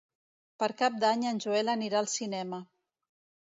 Per Cap d'Any en Joel anirà al cinema.